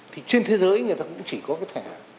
thì trên thế giới người ta cũng chỉ có cái thẻ